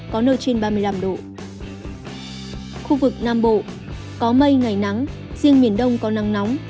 khu vực nam bộ có mây ngày nắng riêng miền đông có nắng nóng